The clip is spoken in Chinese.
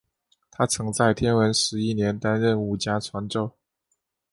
他曾在天文十一年担任武家传奏。